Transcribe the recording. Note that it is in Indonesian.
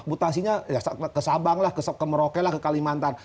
putasinya ke sabang lah ke merauke lah ke kalimantan